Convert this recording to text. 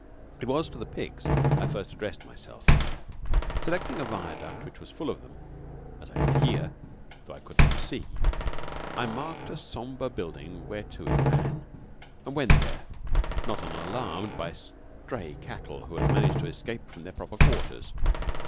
It was to the pigs I first addressed myself. Selecting a viaduct which was full of them, as I could hear, though I could not see, I marked a sombre building whereto it ran, and went there, not unalarmed by stray cattle who had managed to escape from their proper quarters.